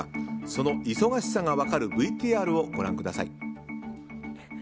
その忙しさが分かるＶＴＲをご覧ください。